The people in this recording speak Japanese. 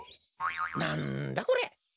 なんだこれ？